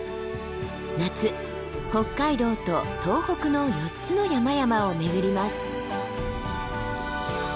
夏北海道と東北の４つの山々を巡ります。